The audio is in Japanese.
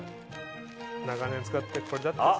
長年使ってるこれだってさ。